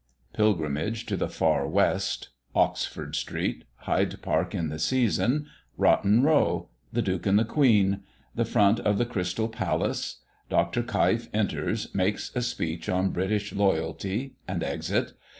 PILGRIMAGE TO THE FAR WEST. OXFORD STREET. HYDE PARK IN THE SEASON. ROTTEN ROW. THE DUKE AND THE QUEEN. THE FRONT OF THE CRYSTAL PALACE. DR. KEIF ENTERS, MAKES A SPEECH ON BRITISH LOYALTY, AND EXIT.